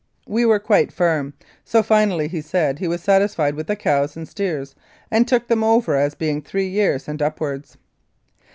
'* We were quite firm, so finally he said he was satisfied with the cows and steers, and took them over as being three years and upwards.